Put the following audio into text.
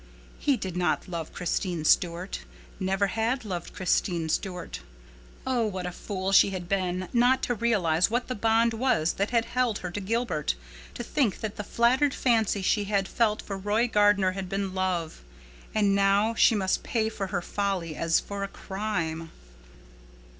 He did not love Christine Stuart—never had loved Christine Stuart. Oh, what a fool she had been not to realize what the bond was that had held her to Gilbert—to think that the flattered fancy she had felt for Roy Gardner had been love. And now she must pay for her folly as for a crime.